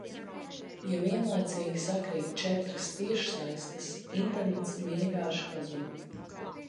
Ja vienlaicīgi sakrīt četras tiešsaistes, internets vienkārši pazūd...